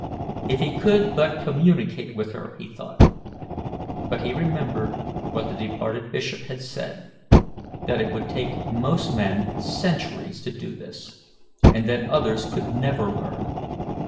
If he could but communicate with her, he thought; but he remembered what the departed bishop had said, that it would take most men centuries to do this, and that others could never learn.